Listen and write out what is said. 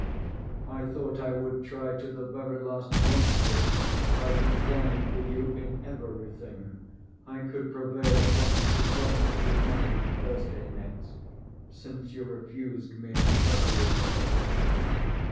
I thought I would try to the very last moment, if, by complying with you in every thing, I could prevail upon you to promise to be mine on Thursday next, since you refused me an earlier day.